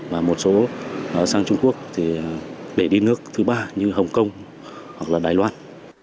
và một số nó sang trung quốc thì để đi nước thứ ba như hồng kông hoặc là đài loan